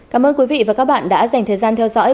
cảm ơn quý vị và các bạn đã dành thời gian theo dõi